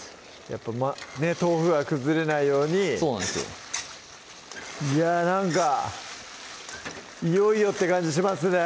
やっぱ豆腐が崩れないようにそうなんですよいやなんかいよいよって感じしますね！